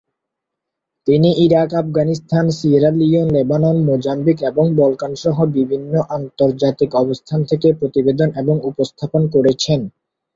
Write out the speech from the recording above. তিনি Iraq, Afghanistan, Sierra Leone, Lebanon, Mozambique এবং Balkan সহ বিভিন্ন আন্তর্জাতিক অবস্থান থেকে প্রতিবেদন এবং উপস্থাপন করেছেন।